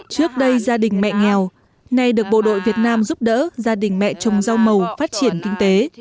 trước đây gia đình mẹ nghèo nay được bộ đội việt nam giúp đỡ gia đình mẹ trồng rau màu phát triển kinh tế